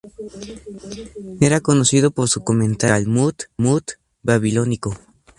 Era conocido por su comentario del Talmud babilónico.